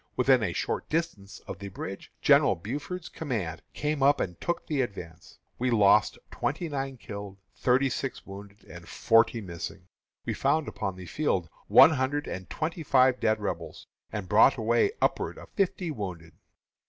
When within a short distance of the bridge, General Buford's command came up and took the advance. We lost twenty nine killed, thirty six wounded, and forty missing. We found upon the field one hundred and twenty five dead Rebels, and brought away upward of fifty wounded.